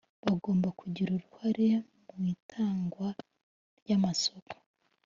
Bagomba kugira uruhare mu itangwa ry’ amasoko